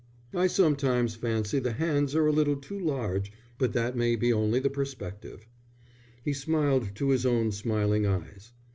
"I sometimes fancy the hands are a little too large, but that may be only the perspective." He smiled to his own smiling eyes.